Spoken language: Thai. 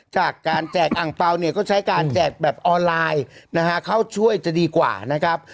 จากการแจกอังเปล่าเนี่ยก็ใช้การแจกแบบออนไลน์นะฮะเข้าช่วยจะดีกว่านะครับ